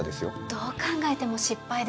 どう考えても失敗です。